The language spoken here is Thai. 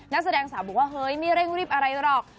นักแสดงสาวบอกว่าเฮ้ยไม่เร่งรีบอะไรหรอก